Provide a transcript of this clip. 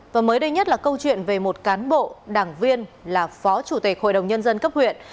và mới đây nhất là câu chuyện về một cán bộ đảng viên là phó chủ tịch hội đồng nhân dân cấp huyện